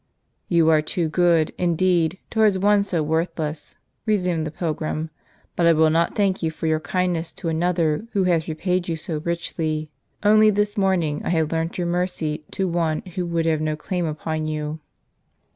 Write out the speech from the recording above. "You are too good, indeed, towards one so worthless," resumed the pilgrim; "but I will not thank you for your kindness to another who has repaid you so richly. Only this, morning I have learnt your mercy to one who could have no claim upon you."